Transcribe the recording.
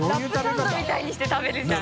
ラップサンドみたいにして食べるじゃん。